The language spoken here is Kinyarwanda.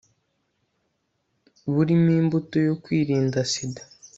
burimo imbuto yo kwirinda sida